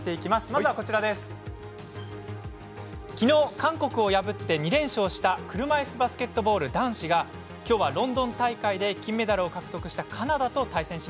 韓国を破って、２連勝した車いすバスケットボール男子がきょうはロンドン大会で金メダルを獲得したカナダと対戦。